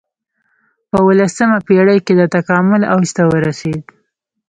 په اولسمه پېړۍ کې د تکامل اوج ته ورسېد.